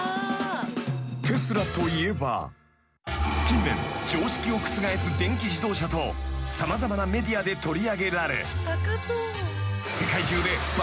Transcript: ［近年常識を覆す電気自動車と様々なメディアで取り上げられ］